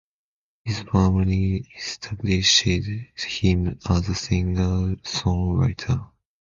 This firmly established him as a singer-songwriter.